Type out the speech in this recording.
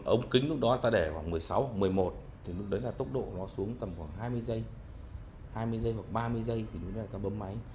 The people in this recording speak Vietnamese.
ống kính lúc đó ta để khoảng một mươi sáu một mươi một thì lúc đấy là tốc độ nó xuống tầm khoảng hai mươi giây hai mươi giây hoặc ba mươi giây thì lúc đấy ta bấm máy